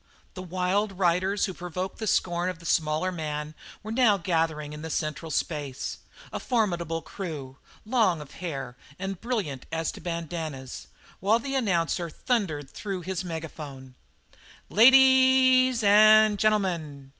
The wild riders who provoked the scorn of the smaller man were now gathering in the central space; a formidable crew, long of hair and brilliant as to bandannas, while the announcer thundered through his megaphone: "La a a dies and gen'l'mun!